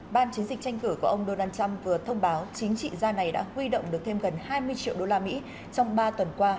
ban chiến dịch tranh cử của ông donald trump vừa thông báo chính trị gia này đã huy động được thêm gần hai mươi triệu đô la mỹ trong ba tuần qua